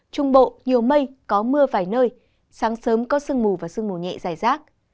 trung bộ nhiều mây có mưa vài nơi sáng sớm có sương mù và sương mù nhẹ dài rác